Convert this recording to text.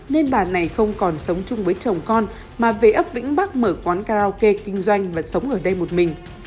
nên bà này không còn sống chung với chồng con mà về ấp vĩnh bắc mở quán karaoke kinh doanh mà sống ở đây một mình